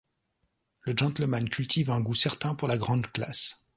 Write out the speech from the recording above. Le gentleman cultive un goût certain pour la grande classe.